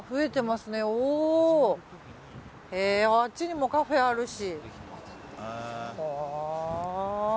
あっちにもカフェあるし。